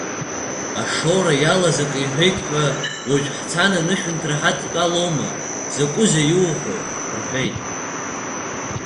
Ашоура иалаз ак иҳәеит ҳәа, уажә ҳцан анышәынҭра ҳадтәалома, закәызеи иуҳәо, — рҳәеит.